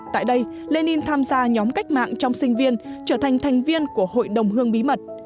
tại đây lenin tham gia nhóm cách mạng trong sinh viên trở thành thành viên của hội đồng hương bí mật